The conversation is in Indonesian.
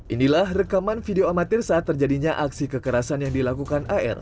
inilah rekaman video amatir saat terjadinya aksi kekerasan yang dilakukan ar